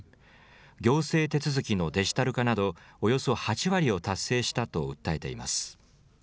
行政手続きのデジタル化などおよそ８割を達成したと訴えています。